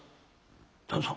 「旦さん